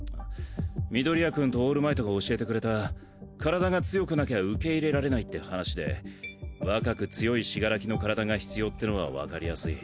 緑谷くんとオールマイトが教えてくれた身体が強くなきゃ受け入れられないって話で若く強い死柄木の身体が必要ってのは分かりやすい。